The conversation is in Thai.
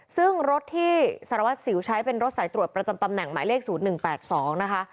ซึ่งรถที่สารวัสสิวใช้เป็นรถสายตรวจประจำตำแหน่งหมายเลข๐๑๘๒นะคะ